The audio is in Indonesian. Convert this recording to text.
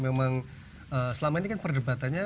memang selama ini kan perdebatannya